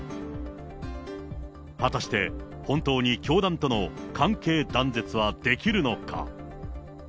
果たして本当に教団との関係断絶はできるのか。